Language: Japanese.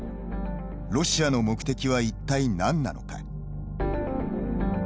ロシアの目的は、一体何なのか。